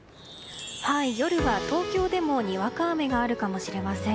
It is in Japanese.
夜は東京でもにわか雨があるかもしれません。